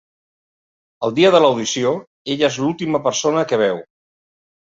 El dia de l'audició ella és l'última persona que veu.